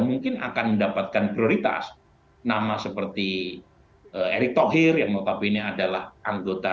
mungkin akan mendapatkan prioritas nama seperti erick thohir yang notabene adalah anggota